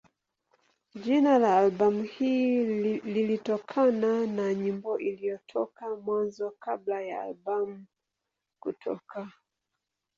Jina la albamu hii lilitokana na nyimbo iliyotoka Mwanzo kabla ya albamu kutoka.